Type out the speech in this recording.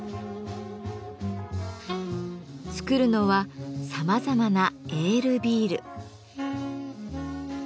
つくるのはさまざまな「エールビール」。